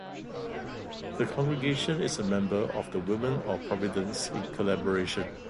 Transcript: The congregation is a member of the Women of Providence in Collaboration.